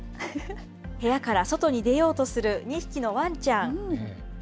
部屋から外に出ようとする２匹のワンちゃん。